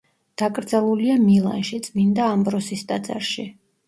დაკრძალულია მილანში, წმინდა ამბროსის ტაძარში.